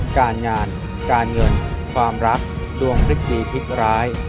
การงานการเงินความรักดวงฤทธิ์ดีฤทธิ์ร้าย